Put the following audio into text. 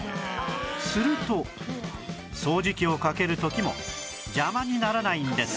すると掃除機をかける時も邪魔にならないんです